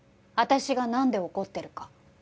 私がなんで怒ってるか。